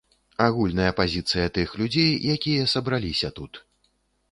Агульная пазіцыя тых людзей, якія сабраліся тут.